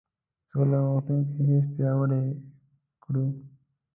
سوله غوښتنې حس پیاوړی کړو.